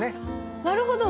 なるほど！